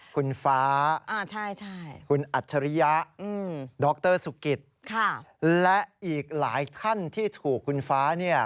คุณฟ้าคุณอัจฉริยะดรสุกิตและอีกหลายท่านที่ถูกคุณฟ้าเนี่ย